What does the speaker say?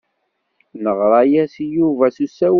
Neɣra-as i Yuba s usawal.